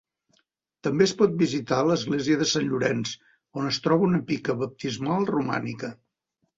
També es pot visitar l'església de Sant Llorenç, on es troba una pica baptismal romànica.